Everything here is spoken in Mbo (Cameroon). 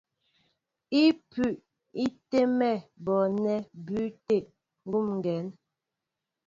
Ipʉ í tɛ́mɛ bɔɔnɛ́ ibû tə̂ ngʉ́mengeŋ.